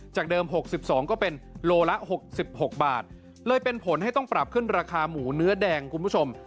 จากเดิม๖๒ก็เป็นโลละ๖๖บาทเลยเป็นผลให้ต้องปรับขึ้นราคาหมูเนื้อแดงคุณผู้ชม